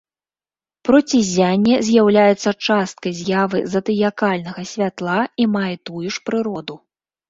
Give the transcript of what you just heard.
Проціззянне з'яўляецца часткай з'явы задыякальнага святла і мае тую ж прыроду.